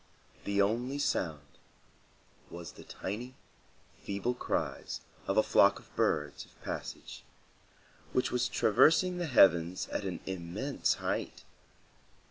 The only sound was the tiny, feeble cries of a flock of birds of passage, which was traversing the heavens at an immense height.